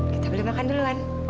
kita beli makan duluan